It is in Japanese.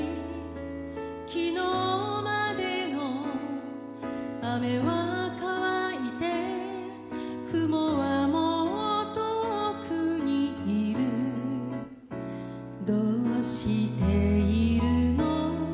昨日までの雨は乾いて雲はもう遠くにいるどうしているの？